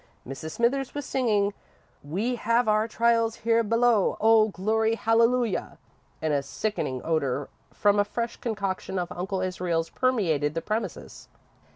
Mrs. Smithers was singing: "We have our trials here below, Oh, Glory, Hallelujah," and a sickening odour from a fresh concoction of Uncle Israel's permeated the premises.